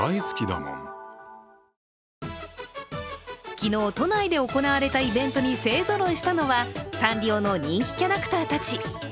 昨日、都内で行われたイベントに勢ぞろいしたのはサンリオの人気キャラクターたち。